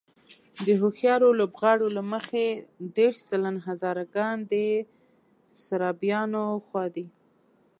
د هوښیارو لوبغاړو له مخې دېرش سلنه هزاره ګان د سرابيانو خوا دي.